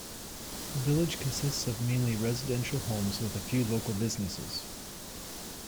The village consists of mainly residential homes with a few local businesses.